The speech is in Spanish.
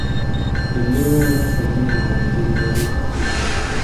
El Lego era sobrino de Don Miguel Hidalgo y Costilla.